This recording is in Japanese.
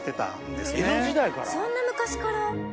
そんな昔から。